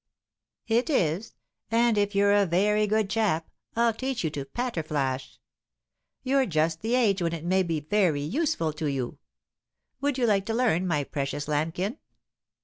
"It is; and, if you're a very good chap, I'll teach you to 'patter flash.' You're just the age when it may be very useful to you. Would you like to learn, my precious lambkin?"